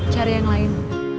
cari yang lain